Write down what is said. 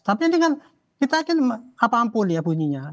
tapi ini kan kita ingin apa pun ya bunyinya